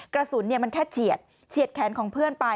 กระสุนมันแค่เฉียดเฉียดแขนของเพื่อนไป